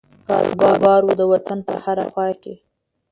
کاروبار وو د وطن په هره خوا کې.